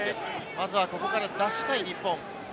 まずはここから出したい日本。